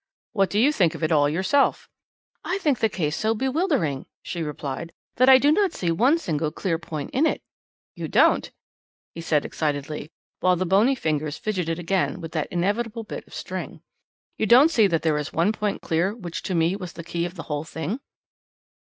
What do you think of it all yourself?" "I think the whole case so bewildering," she replied, "that I do not see one single clear point in it." "You don't?" he said excitedly, while the bony fingers fidgeted again with that inevitable bit of string. "You don't see that there is one point clear which to me was the key of the whole thing?